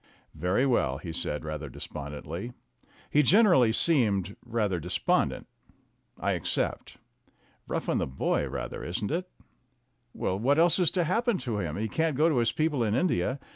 "Very well," he said, rather despondently he gen 96 THE BOY AND THE PESSIMIST 97 erally seemed rathed despondent "I accept. Rough on the boy, rather, isn't it ?" "Well, what else is to happen to him? He can't go to his people in India.